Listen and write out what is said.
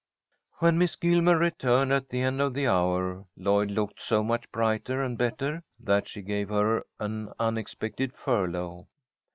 When Miss Gilmer returned at the end of the hour, Lloyd looked so much brighter and better that she gave her an unexpected furlough.